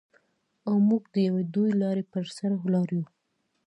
او موږ د یوې دوې لارې پر سر ولاړ یو.